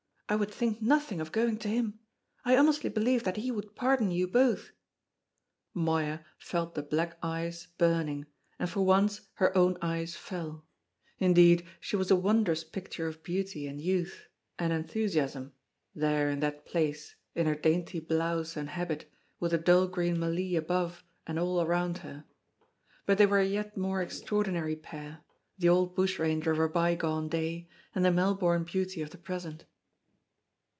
I would think nothing of going to him. I honestly believe that he would pardon you both!" Moya felt the black eyes burning, and for once her own eyes fell; indeed she was a wondrous picture of beauty and youth and enthusiasm, there in that place, in her dainty blouse and habit, with the dull green mallee above and all around her. But they were a yet more extraordinary pair, the old bushranger of a bygone day, and the Melbourne beauty of the present.